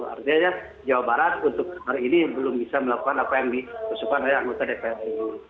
artinya jawa barat untuk hari ini belum bisa melakukan apa yang diusulkan oleh anggota dpr ini